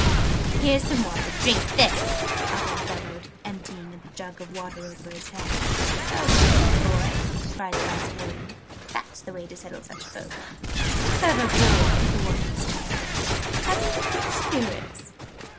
"Here's some water, drink this!" Uggug bellowed, emptying a jug of water over his head. "Well done, my boy!" cried the Vice Warden. "That's the way to settle such folk!" "Clever boy!", the Wardeness chimed in. "Hasn't he good spirits?"